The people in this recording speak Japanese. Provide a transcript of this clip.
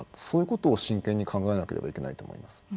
そういうことを真剣に考えないといけないと思います。